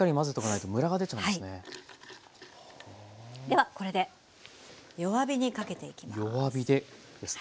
ではこれで弱火にかけていきます。